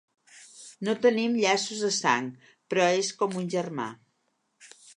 No tenim llaços de sang, però és com un germà.